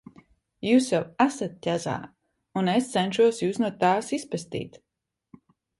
Jūs jau esat ķezā, un es cenšos Jūs no tās izpestīt.